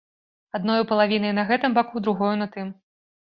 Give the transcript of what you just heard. Адною палавінай на гэтым баку, другою на тым.